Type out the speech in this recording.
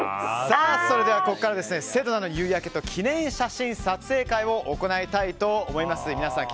それではここからセドナの夕焼けと記念写真撮影会を行いたいと思います。